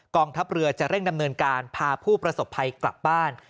ทัพเรือจะเร่งดำเนินการพาผู้ประสบภัยกลับบ้าน